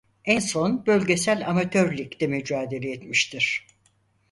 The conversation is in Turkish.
En son Bölgesel Amatör Lig'de mücadele etmiştir.